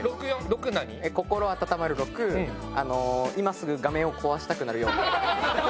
心温まる６今すぐ画面を壊したくなる４。